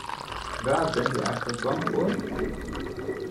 Waar bent u eigenlijk bang voor?